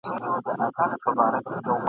د پرواز فکر یې نه وو نور په سر کي !.